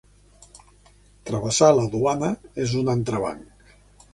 Travessar la duana és un entrebanc.